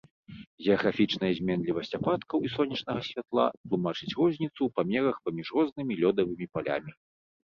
Геаграфічная зменлівасць ападкаў і сонечнага святла тлумачыць розніцу ў памерах паміж рознымі лёдавымі палямі.